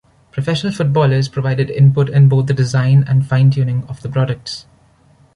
Professional footballers provided input in both the design and fine-tuning of the products.